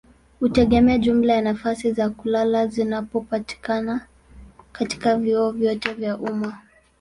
hutegemea jumla ya nafasi za kulala zinazopatikana katika vyuo vyote vya umma.